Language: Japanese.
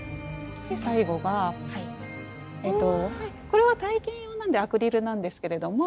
これは体験用なんでアクリルなんですけれども。